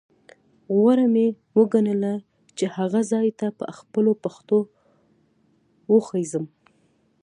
غوره مې وګڼله چې هغه ځاې ته په خپلو پښو وخوځېږم.